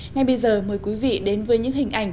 ngay bây giờ mời quý vị đến với những hình ảnh